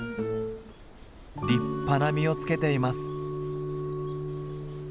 立派な実をつけています。